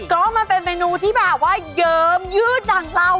ก็มันเป็นเมนูที่แบบว่าเยิ้มยืดดั่งเลา